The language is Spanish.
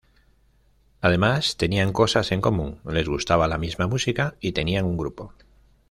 Además tenían cosas en común, les gustaba la misma música y tenían un grupo.